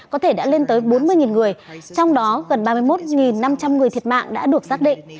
có thể đã lên tới bốn mươi người trong đó gần ba mươi một năm trăm linh người thiệt mạng đã được xác định